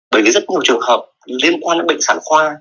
bởi vì rất nhiều trường hợp liên quan đến bệnh sản khoa